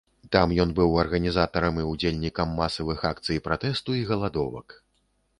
Там ён быў арганізатарам і ўдзельнікам масавых акцый пратэсту і галадовак.